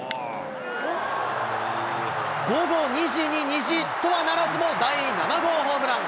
午後２時に虹、とはならずも、第７号ホームラン。